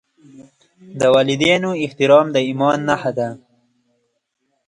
د والدینو احترام د ایمان نښه ده.